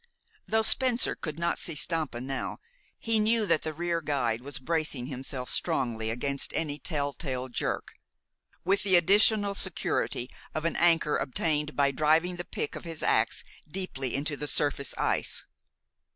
Though Spencer could not see Stampa now, he knew that the rear guide was bracing himself strongly against any tell tale jerk, with the additional security of an anchor obtained by driving the pick of his ax deeply into the surface ice.